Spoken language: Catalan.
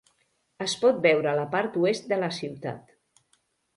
Es pot veure a la part oest de la ciutat.